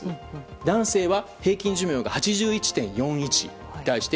男性は平均寿命が８１．４１に対して